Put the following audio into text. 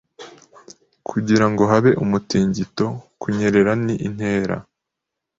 kugirango habe umutingito Kunyerera ni intera